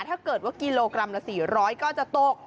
ถ้าเกิดว่ากิโลกรัมละ๔๐๐ก็จะตก